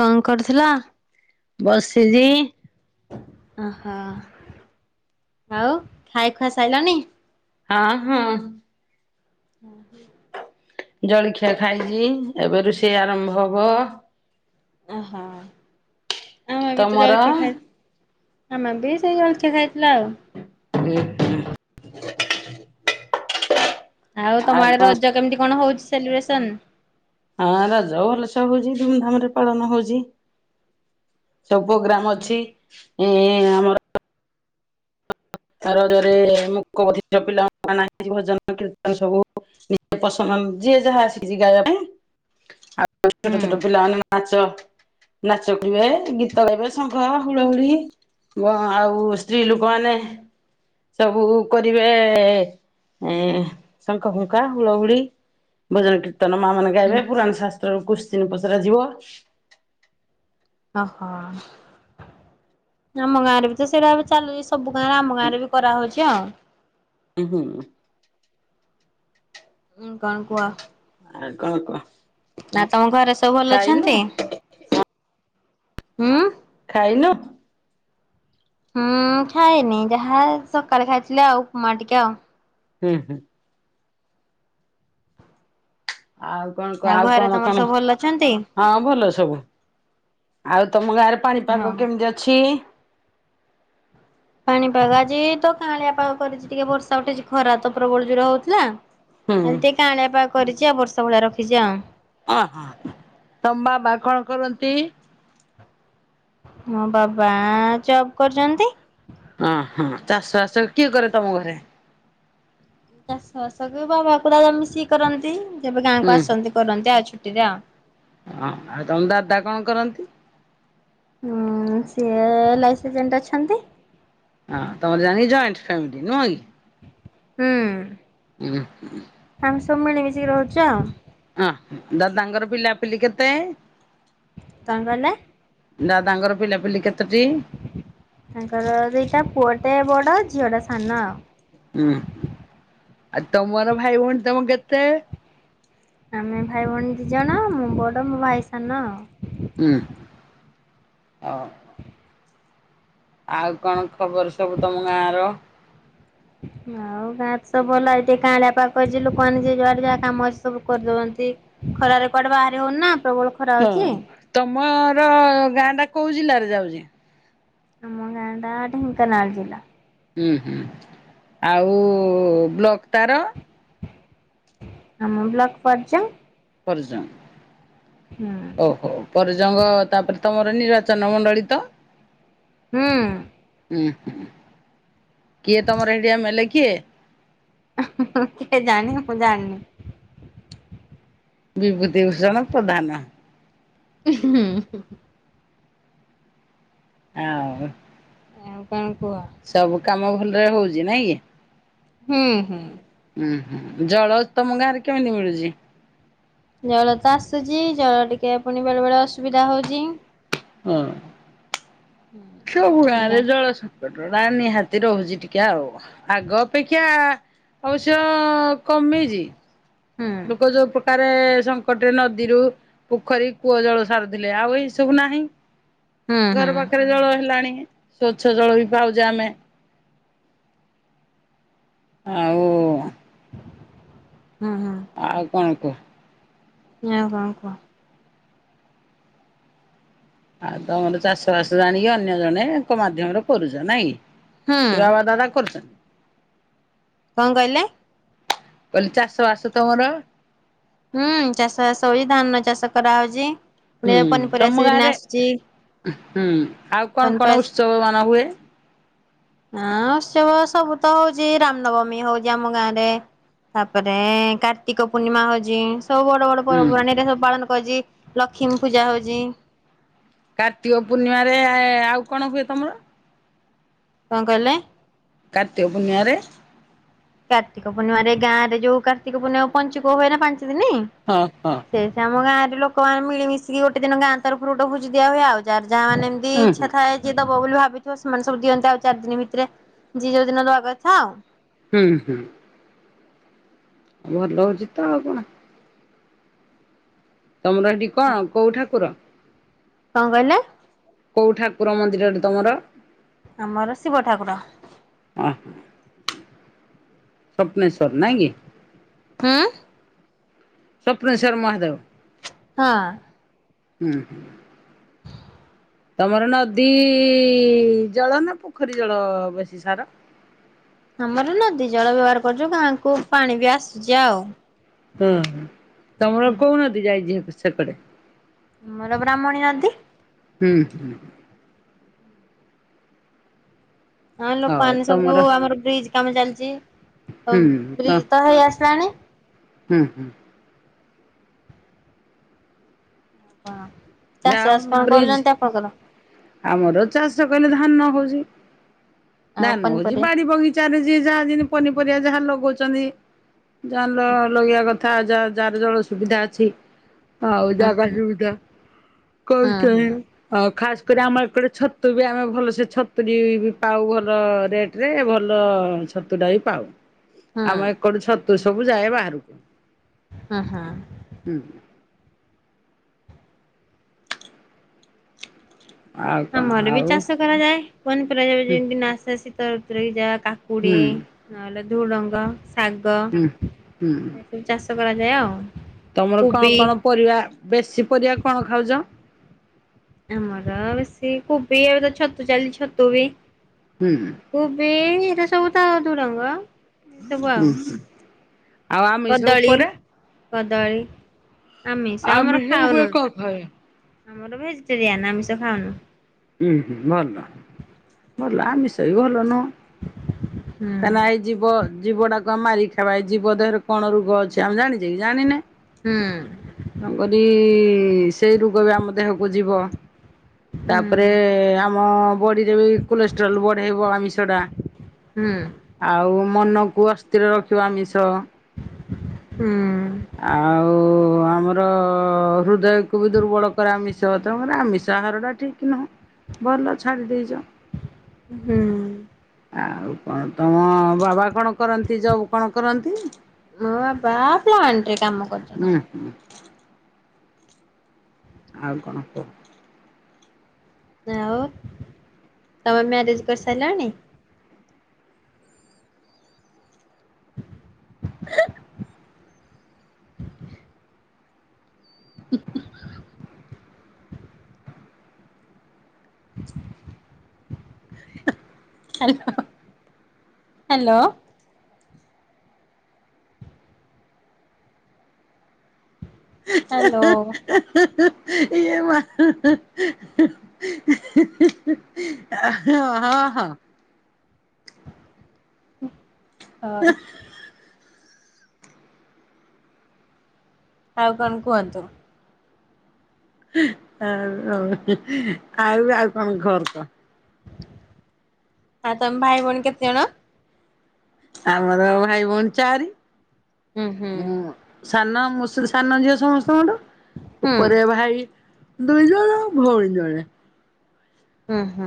କଣ କରୁଥିଲ? ବସିଚି। ଓହୋ, ଆଉ ଖାଇ ଖୁଆ ସାଇଲନି? ହଁ, ହଁ। ହଁ, ହଁ। ଜଳିଖିଆ ଖାଇଚି, ଏବେ ରୁଷେଇ ଆରମ୍ଭ ହବ। ଓହୋ, ଆ ମୁଁ ବି ତ ତମର ଜଳଖିଆ ଖାଇ ଆମର ବି ସେଇ ଜଳଖିଆ ଖାଇଥିଲେ ଆଉ। [inaudible] ଆଉ ତୋମ ଆଡେ ରଜ କେମିତି କଣ ହଉଛି ସେଲିବ୍ରେସନ୍? ହଁ ରଜ ଭଲସେ ହଉଛି, ଧୁମଧାମ୍ ରେ ପାଳନ ହଉଛି। ସବୁ ପୋଗ୍ରାମ୍ ଅଛି ଇଁ, ଆମର ତାର ଗରେ [unintelligible] ମୁକ ବଧିର ପିଲା ନାହିଁ, [inaudible] ଭଜନ କୀର୍ତ୍ତନ ସବୁ ନି [inaudible] ପସନ୍ଦ [unintelligible] ଯିଏ ଯାହା ଆସିିକି ଯିବା [unintelligible] [inaudible] [inaudible] ଛୋଟ ଛୋଟ ପିଲମାନେ ନାଚ ନାଚୁଥିଲେ, ଗୀତ ଗାଇବେ ଶଙ୍ଖ, ହୁଳହୁଳି ଓ ଆଉ ସ୍ତ୍ରୀ ଲୋକମାନେ ସବୁ କରିବେ ଏ, ଶଙ୍ଖ ଫୁଙ୍କା ହୁଳହୁୁଳି। ଭଜନ କୀର୍ତ୍ତନ ମା ମାନେ ହୁଁ। ଗାଇବେ ପୁରାଣ ଶାସ୍ତ୍ରରୁ କୁଶ୍ଚେନ୍ ପଚରା ଯିବ। ଓହୋ, ଆମ ଗାଁରେ ବି ତ ସେଇଟା ଏବେ ଚାଲୁଛି। ସବୁ କା [unintelligible] ଆମ ଗାଁରେ ବି କରାହଉଛି ଆ। [unintelligible] ଉଁ, କଣ କୁହ? ଆଉ କଣ କହ ନା ତୋମ ଘରେ ସବୁ ଭଲ ଖାଇନୁ ଅଛନ୍ତି। ହଁ। ଖାଇନ? ହଁ ଖାଇନି, ଯାହା ସକାଳେ ଖାଇଥିଲି ଆଉ ଉପମା ଟିକେ ଆ। ହୁଁ, ହୁଁ। ଆଉ କଣ କଅ, ଆଉ ଘରେ କଣ ତମର କଣ? ସବୁ ଭଲ ଅଛନ୍ତି? ହଁ ଭଲ ସବୁ ଆଉ ତୋମ ଗାଁରେ ପାଣିପାଗ ହଁ। କେମିତି ଅଛି? ପାଣିପାଗ ଆଜି ତ କାଁଳିଆ ପାାଗ କରିଛି ଟିକେ, ବର୍ଷା ଉଠିଛି, ଖରା ତ ପ୍ରବଳ ଜୋର ହଉଥିଲା। ହୁଁ ଆଉ ଟିକେ କାଁଳିଆ ପାଗ କରିଛି, ଆଉ ବର୍ଷା ଭଳିଆ ରଖିଛି ଆଉ। ଓ ହଁ ହଁ ତୋମ ବାପା କଣ କରନ୍ତି? ମୋ ବାବା ଜବ୍ କରୁଛନ୍ତି। ଓ ହଁ ଚାଷ ବାସ କିଏ କରେ ତୋମ ଘରେ? କୁ-ଚାଷ ବାସ ବାବା କରାଯାଏ ମିଶିକି କରନ୍ତି, ଯେବେ ଗାଁକୁ ହୁଁ ଆସନ୍ତି କରନ୍ତି ଆଉ ଛୁଟିରେ ଆଉ। ଅଁ, ଆଉ ତୋମ ଦାଦା କଣ କରନ୍ତି? ଅଁ, ସିଏ ଏଲାଇସି ଏଜେଣ୍ଟ ଅଛନ୍ତି। ହଁ ତମର ଜାଣି ଜଏଣ୍ଟ ଫ୍ୟାମିଲି ନୁହଁ କି? ହୁଁ। ଉଁ ହୁଁ। ଆମେ ସବୁ ମିଳି ମିଶିକି ରହୁଛୁ ଆଉ। ଅଁ ଦାଦାଙ୍କର ପିଲାପିଲି କେତେ? କଣ କହିଲେ? ଦାଦାଙ୍କର ପିଲାପିଲି କେତୋଟି? ତାଙ୍କର ଦିଟା ପୁଅଟେ ବଡ ଝିଅ ଟା ସାନ ଆଉ। ଉଁ ହୁଁ ଆଉ ତମର ଭାଇ ଭଉଣୀ ତମ କେତେ? ଆମେ ଭାଇ ଭଉଣୀ ଦୁଇଜଣ ମୁଁ ବଡ଼ ମୋ ଭାଇ ସାନ ଆଉ। ଉଁ ହୁଁ ଅ। ଆଉ କଣ ଖବର ସବୁ ତମ ଗାଁର? ଆଉ ଗାଁ ତ ସବୁ ଭଲ ଏଇ ଟିକେ କାଁଳିଆ ପାଖ କରିଛି ଲୋକମାନେ ଯିଏ ଯୁଆଡେ ଯାହା କାମ ଅଛି ସବୁ କରିଦଉଛନ୍ତି। ଖରାରେ କୁଆଡ଼େ ବାହାରି ହଉନି ନା ପ୍ରବଳ ଖ ହୁଁ ତମର ଗାଁ ଟା କୋଉ ଜିଲ୍ଲାରେ ଯାଉଛି? ଆମ ଗାଁ ଟା ଢେଙ୍କାନାଳ ଜିଲ୍ଲା। ହୁଁ ହୁଁ ଆଉ ବ୍ଲକ୍ ତାର? ଆମ ବ୍ଲକ ପର୍ଯ୍ୟଙ୍ଗ। ପର୍ଯ୍ୟଙ୍ଗ। ହୁଁ। ଓହୋ ପଜଙ୍ଗ ତାପରେ ତମର ନିର୍ବାଚନ ମଣ୍ଡଳୀ ତ? ହୁଁ। ହୁଁ ହୁଁ କିଏ ତମର ହେଇଡି ଏମେଲେ କିଏ? କେ ଜାଣି ମୁଁ ଜାଣିନି। ବିଭୂତି ଭୂଷଣ ପ୍ରଧାନ। ହୁଁ ହୁଁ ହୁଁ। ଆଉ। ଆଉ କଣ କୁହ? ସବୁ କାମ ଭଲରେ ହଉଛି ନାଇଁ କି? ହୁଁ ହୁଁ। ଉଁ ହୁଁ ଜଳ ତମ ଗାଁ ରେ କେମିତି ମିଳୁଛି? ଜଳ ତ ଆସୁଛି ଜଳ ଟିକେ ପୁଣି ବେଳେ ବେଳେ ଅସୁବିଧା ହଉଛି। ହୁଁ। ସବୁ ଗାଁରେ ଆଜ୍ଞା ଜଳସଙ୍କଟ ରା ନିହାତି ରହୁଛି ଟିକେ ଆଉ ଆଗ ଅପେକ୍ଷା ଅବଶ୍ୟ କମିଛି। ହୁଁ। ଯ ଯୋଉ ପ୍ରକାରେ ସଙ୍କଟରେ ନଦୀରୁ ପୋଖରୀ କୂଅ ଜଳ ସାରୁଥିଲେ ଆଉ ଏଇ ସବୁ ନାହିଁ। ହୁଁ ହୁଁ ଘର ପାଖରେ ଜଳ ହେଲାଣି ସ୍ଵଚ୍ଛ ଜଳ ବି ପାଉଛେ ଆମେ। ଆଉ ହୁଁ ହୁଁ। ଆଉ କଣ କୁହ? ୟାଉ କଣ କୁହ? ଆଉ ତମର ଚାଷବାସ ଜାଣିକି ଅନ୍ୟ ଜଣେ ଲୋକ ମାଧ୍ୟମରେ କରୁଛ ନାଇଁ କି? ହୁଁ କି ବାବା ଦାଦା କରୁଛନ୍ତି? କଣ କହିଲେ? କହିଲେ ଚାଷ ବାସ ତମର? ହୁଁ ଚାଷ ବାସ ହୁଉ ଧାନ ଚାଷ କରାହୋଉଚି। ହୁଁ ତମ ଗାଁରେ ହୁଁ ଆଉ କଣ କଣ ପନିପରିବା ଉତ୍ସବ ମାନ ହୁଏ? ହଁ ଉତ୍ସବ ସବୁ ତ ହଉଚି ରାମନବମୀ ହଉଚି ଆମ ଗାଁ ରେ। ତାପରେ କାର୍ତ୍ତିକ ପୂର୍ଣ୍ଣିମା ହଉ ଜି ସବୁ ବଡ଼ ବଡ଼ ହୁଁ ପର୍ବପର୍ବାଣି ରେ ସବୁ ପାଳନ କରଜି ଲକ୍ଷ୍ମୀ ପୂଜା ହଉଜି। କାର୍ତ୍ତିକ ପୂର୍ଣ୍ଣିମାରେ ଆଉ କଣ ହୁଏ ତମର? କଣ କହିଲେ? କାର୍ତିକ ପୁର୍ଣିମା ରେ? କାର୍ତିକ ପୂର୍ଣ୍ଣିମା ରେ ଗାଁରେ ଯୋଉ କାର୍ତିକ ପୂର୍ଣ୍ଣିମା ପଞ୍ଚୁକ ହୁଏ ନା ପାଞ୍ଚ ଦିନ। ହଁ ହଁ। ସେ ସେ ଆମ ଗାଁରେ ଲୋକମାନୋ ମିଳିମଶିକି ଗୋଟେ ଦିନ ଗାଁ ତରଫରୁ ଗୋଟେ ଭୋଜି ଦିଆ ହୁଏ ଆଉ। ଯାହାର ଯାହା ମାନ ଏମିତି ହୁଁ ହୁଁ ଇଛା ଥାଏ ଯିଏ ଦବ ବୋଲି ଭାବୁଥିବ ସେମାନେ ସବୁ ଦିଅନ୍ତି ଆଉ ଚାରି ଦିନ ଭିତରେ। ଯି ଯୋଉ ଦିନ ଦବା କଥା ଆଉ। ହୁଁ ହୁଁ। ଭଲ ହଉଚି ତ ଆଉ କଣ? ତମର ହେଟି କଣ କୋଉ ଠାକୁର? କଣ କହିଲେ? କୋଉ ଠାକୁର ମନ୍ଦିର ହେଟି ତମର? ଆମର ଶିବ ଠାକୁର। ଓହ। ସ୍ୱପ୍ନେଶ୍ୱର ନାଇଁ କି? ଆଁ? ସ୍ୱପନେଶ୍ୱର ମହାଦେବ? ହଁ। ଉଁ ହୁଁ। ତମର ନଦୀ ଜଳ ନା ପୋଖରୀ ଜଳ ବେଶୀ ସାର? ଆମର ନଦୀ ଜଳ ବ୍ୟବହାର କରୁଚୁ ଗାଁକୁ ପାଣି ବି ଆସୁଚି ଆଉ। ହୁଁ ହୁଁ ତମର ହୁଁ କୋଉ ନଦୀ ଯାଇଚି ହେ ସେକଡେ? ଆମର ବ୍ରାହ୍ମଣୀ ନଦୀ। ହୁଁ ହୁଁ। ହଁ ହଉ ଲୋକମାନେ ସବୁ ତମର ଆମର ବ୍ରିଜ କାମ ଚାଲିଚି ତ ବ୍ରିଜ ତ ହେଇ ଆସିଲାଣି। ହୁଁ ହୁଁ। [unintelligible] ଚାଷ ଯାଉ ବାସ କଣ ବ୍ରିଜ କରୁଚନ୍ତି ଆପଣଙ୍କର? ଆମର ଚାଷ କହିଲେ ଧାନ ହଉଚି ଆଉ ଧାନ ହଉଚି ପନିପରିବା ବାଡି ବଗି ଚାଲିଚି ଯାହା ଯେମିତି ପନିପରିବା ଯାହା ଲଗଉଚନ୍ତି। ଜାଲ ଲଗେଇବା କ ଥା ଯା ଯାହାର ଜଳ ସୁବିଧା ଅଛି ଆଉ ହୁଁ ଜାଗା ହୁଁ ସୁବିଧା ହୁଁ [unintelligible] ଆ ଖାସ କରି ଆମର ଏଟେ ଛତୁ ବି ଆମେ ଭଲସେ ଛତୁୁ ଟିକେ ବି ପାଉ ଭଲ ରେଟ ରେ ଭଲ ଛତୁଟା ବି ପାଉ। ହୁଁ। ଆମ ଏକଡ ଛତୁ ସବୁ ଯାଏ ବାହାରକୁ। ହଁ ହଁ। ହୁଁ। ଆଉ କଣ ଆମର ବି ଆଉ ଚାଷ କରାଯାଏ ପନିପରାଏ ହୁଁ ଯେମିତି ନାସ ଶୀତ ଋତୁରେ ଯା କା କୁଡ଼ି ହୁଁ ନହେଲେ ଝୁଡ଼ଙ୍ଗ ଶାଗ ହୁଁ ହୁଁ ଚାଷ କରାଯାଏ ଆଉ। ତମର କଣ କୋବି କଣ ପରିବା ବେଶୀ ପରିବା କଣ ଖାଉଚ? ଆମର ବେଶି କୋବି ଆଉର ଛତୁ ଚାଲିଛି ଛତୁ ବି। ହୁଁ। କୋବି ଏଇରା ସବୁ ତ ଝୁଡଙ୍ଗ। ଏ ସବୁ ଆଉ ଉଁ ହୁଁ। ଆଉ ଆମିଷ କଦଳୀ ଉପରେ କଦଳୀ ଆମିଷ ଆମର ଉପରେ ଖାଉନେହୁଁ। କଥାଏ। ଆମର ଭେଜିଟେରିଆନ୍ ଆମିଷ ଖାଉନୁ। ହୁଁ ହୁଁ ଭଲ ଭଲ ଆମ ମିଷଇ ଭଲନୁହ ହୁଁ କାହିଁକି ନା ଏଇ ଜୀବ ଜୀବଟାକୁ ଆମେ ମାରି ଖଇବା ଜୀବ ଦେହରେ କଣ ରୋଗ ଅଛି ଆମେ ଜାଣିଛେ କି ଜାଣିନେ। ହୁଁ। ନ କରି ସେଇ ରୋଗ ବି ଆମ ଦେହକୁ ଯିବ। ତାପରେ ହୁଁ ଆମ ବଡ଼ିରେ ବି କୋଲେଷ୍ଟ୍ରଲ୍ ବଢେଇବ ଆମିଷଟା। ହୁଁ। ଆଉ ମନକୁ ଅସ୍ଥିର ରଖିବ ଆମିଷ। ହୁଁ। ଆଉ ଆମର ହୃଦୟକୁ ବି ଦୁର୍ବଳ କରେ ଆମିଷ ତେଣୁକରି ଆମିଷ ଆହାରଟା ଠିକ୍ ନୁହଁ ଭଲ ଛାଡ଼ି ଦେଇଚ। ହୁଁ। ଆଉ କଣ ତମ ବାବାକୁ କଣ କରନ୍ତି ଯବ କଣ କରନ୍ତି ମୋ ବାବା ପ୍ଲାଣ୍ଟ ରେ କାମ ଉୁଁ ହୁଁ। କରୁଛନ୍ତି। ଆଉ କଣ କୁହ? ଆଉ ତମେ ମ୍ୟାରେଜ୍ କରିସାରିଲଣି? ଏଁ। ହୁଁ ହୁଁ। [inaudible] Hello hello. ହାଲୋ। ଏଇ ମା ହେଁ ହେଁ ହେଁ। ଓ ହ। ଓ ହ। ଆଉ କଣ କୁହନ୍ତୁ? ଆଉ ଆଉ କଣ ଖବର କହ? ଆଉ ତମେ ଭାଇ ଭଉଣୀ କେତେ ଜଣ? ଆମର ଭାଇ ଭଉଣୀ ଚାରି। ହୁଁ ହୁଁ। ମୁଁ ସାନ ମୁଁ ସୁଦୁ ସାନ ଝିଅ ସମସ୍ତଙ୍କଠୁ ହୁଁ ଉପରେ ଭାଇ। ଦୁଇ ଜଣ ଭଉଣୀ ଜଣେ। ଉଁ ହୁଁ।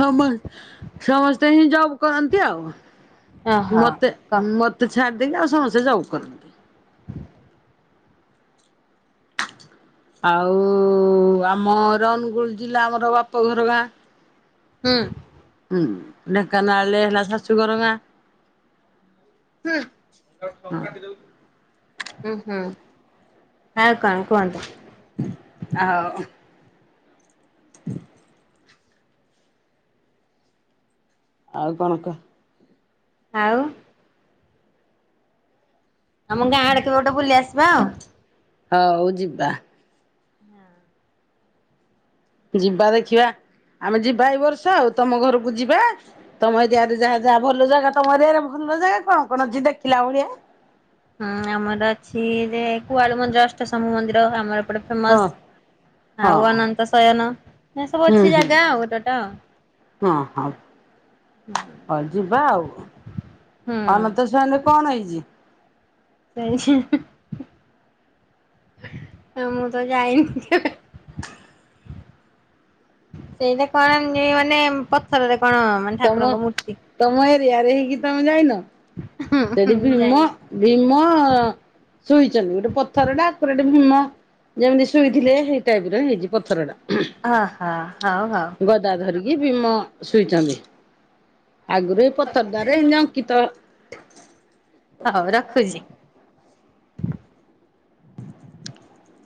ସମସ୍ତେ ସମ ସମସ୍ତେ ହିଁ ଜବ୍ କରନ୍ତି ଆଉ ଓହୋ ମତେ କ ମ ତେ ଛାଡ଼ିଦେଇକି ଆଉ ସମସ୍ତେ ଯବ କରନ୍ତି। ଆଉ ଆମର ଅନୁଗୁଳୁ ଜିଲ୍ଲା ଆମର ବାପଘର ଗାଁ। ହୁଁ। ହୁଁ ଢେଙ୍କାନାଳରେ ହେଲା ଶାଶୁଘର ଗାଁ। [inaudible] ଫୋନ୍ କାଟି ଦଉଛୁ। ହୁଁ-ହୁଁ ଆଉ କଣ କୁହନ୍ତୁ। ଆଉ ହ [unintelligible] ଆଉ କଣ କହ? ଆଉ? ଆମ ଗାଁଆ ଆଡେ କେବେ ଗୋଟେ ବୁଲି ଆସିବ? ହଉ ଯିବା। ହଁ। ଯିବା ଦେଖିବା, ଆମେ ଯିବା ଏଇ ବର୍ଷ ଆଉ ତମ ଘରକୁ ଯିବା। ତମ ଏରିଆରେ ଯାହା ଯାହା ଭଲ ଜାଗା ତମ ଏରିଆରେ ଭଲ ଜାଗା କଣ କଣ ଅଛି ଦେଖିଲା ଭଳିଆ? ହୁଁ ଆମର ଅଛି ଯେ କୁଆଲୁ ମନ୍ଦିର ଅଷ୍ଟଶମ୍ଭୁ ମନ୍ଦିର ଆମର। ଏପଟେ ଫେମସ୍, ହଁ ହଁ ଆଉ ଅନନ୍ତ ଶୟନ ଏ ସବୁ ହୁଁ ଅଛି ହୁଁ ଜାଗା ଆଉ ଗୋଟେ ଗୋଟେ ଆଉ। ହଁ ହଉ, ହଉ ଯିବା ଆଉ ହୁଁ। ଅନନ୍ତ ଶୟନ କଣ ହେଇଚି? ସେଇ ହିଁ-ହିଁ-ହିଁ ମୁଁ ତ ଯାଇନି କେବେ। ସେଇଟା କଣ ନି ମାନେ ପଥରରେ କଣ ମାନେ ତମ, ଠାକୁରଙ୍କ ମୂର୍ତ୍ତି। ତମ ଏରିଆରେ ହେଇକି ତମେ ଯାଇନ? ହୁଁ ସେଠି ହୁଁ ଭୀମ, ଯାଇନି। ଭୀମ ଶୁଇଚନ୍ତି ଗୁଟେ ପଥରଟା ଆକୁରେଟ୍ ଭୀମ। ଯେମିତି ଶୁଇଥିଲେ ହେଇ ଟାଇପର ହେଇଛି ପଥରଟା। ହ ହ ହଉ ହଉ। ଗଦା ଧରିକି ଭୀମ ଶୁଇଚନ୍ତି। ଆଗରୁ ଏ ପଥର ଦ୍ବାରେ ଏମିତି ଅଙ୍କିତ। ହଉ ରଖୁଚି। [inaudible]